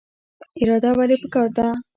اراده ولې پکار ده؟